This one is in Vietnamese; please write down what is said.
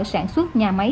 sản xuất nhà máy